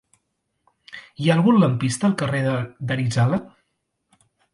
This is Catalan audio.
Hi ha algun lampista al carrer d'Arizala?